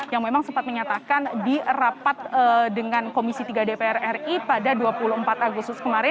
yang memang sempat menyatakan di rapat dengan komisi tiga dpr ri pada dua puluh empat agustus kemarin